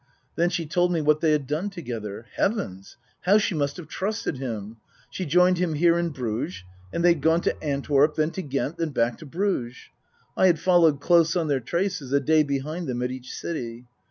Then she told me what they had done together. Heavens ! How she must have trusted him. She joined him here in Bruges. And they'd gone to Antwerp, then to Ghent, then back to Bruges. (I had followed close on their traces, a day behind them at each city.)